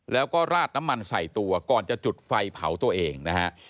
แล้วก็ราดน้ำมันใส่ตัวก่อนจะจุดไฟเผาตัวเองนะฮะ